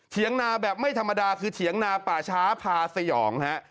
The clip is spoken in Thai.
งนาแบบไม่ธรรมดาคือเถียงนาป่าช้าพาสยองฮะ